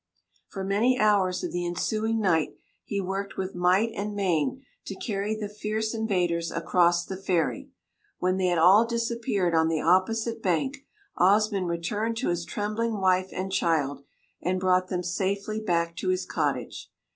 For many hours of the ensuing night he worked with might and main to carry the fierce invaders across the ferry. When they had all disappeared on the opposite bank, Osmund returned to his trembling wife and child, and brought them safely back to his cottage.